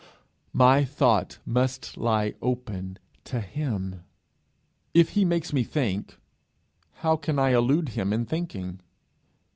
My thought must lie open to him: if he makes me think, how can I elude him in thinking?